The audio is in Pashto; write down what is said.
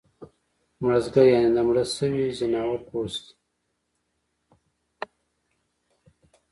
مړزګه یعنی د مړه شوي ځناور پوست